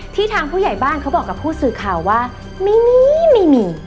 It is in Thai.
ทางผู้ใหญ่บ้านเขาบอกกับผู้สื่อข่าวว่าไม่มีไม่มี